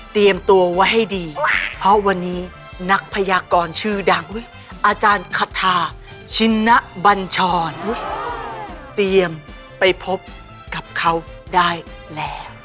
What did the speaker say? ตัวไว้ให้ดีเพราะวันนี้นักพยากรชื่อดังอาจารย์คทาชินบัญชรเตรียมไปพบกับเขาได้แล้ว